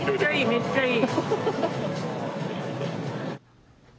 めっちゃいい。